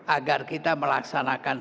agar kita melaksanakan